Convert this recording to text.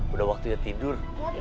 udah waktunya tidur